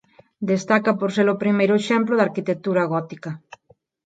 Destaca por ser o primeiro exemplo de arquitectura gótica.